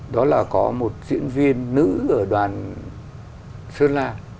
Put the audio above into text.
đó là có một diễn viên nữ ở đoàn sơn la